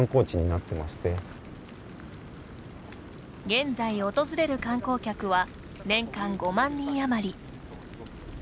現在訪れる観光客は年間５万人あまり。